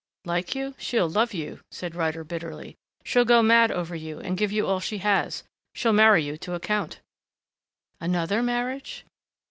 "Like you ? She'll love you," said Ryder bitterly. "She'll go mad over you and give you all she has she'll marry you to a count " "Another marriage?"